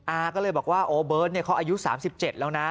อาก็เลยบอกว่าโอเบิร์ตเขาอายุ๓๗แล้วนะ